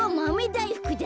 だいふくだ。